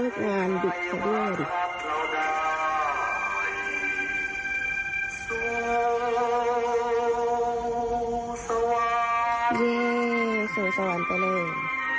สูงสวรรค์กันเลย